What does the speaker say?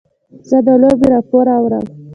زه د لوبې راپور اورم.